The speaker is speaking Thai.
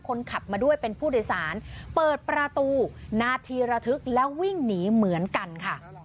คนขับมาด้วยเป็นผู้โดยสารเปิดประตูนาทีระทึกแล้ววิ่งหนีเหมือนกันค่ะ